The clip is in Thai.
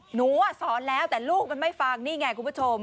หนูสอนแล้วแต่ลูกมันไม่ฟังนี่ไงคุณผู้ชม